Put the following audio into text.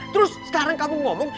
terus sekarang kamu ngomong